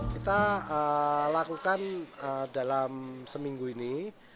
kita lakukan dalam seminggu ini